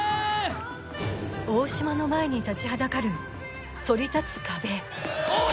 大嶋の前に立ちはだかるそり立つ壁